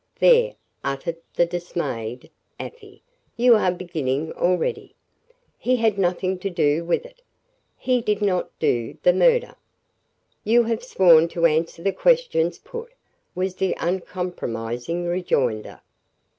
"There," uttered the dismayed Afy. "You are beginning already. He had nothing to do with it he did not do the murder." "You have sworn to answer the questions put," was the uncompromising rejoinder.